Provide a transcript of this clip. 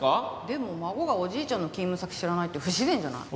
でも孫がおじいちゃんの勤務先知らないって不自然じゃない？